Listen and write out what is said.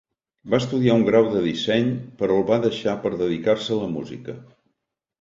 Va estudiar un grau de disseny, però el va deixar per dedicar-se a la música.